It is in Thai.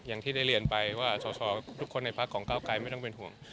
อย่างที่ได้เรียนไปว่าส่อทุกคนในพักของก้าวไกรไม่ต้องเป็นห่วง